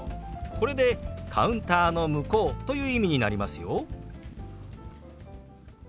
これでカウンターの向こうという意味になりますよ。